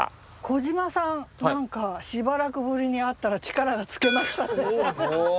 小島さん何かしばらくぶりに会ったら力がつきましたね。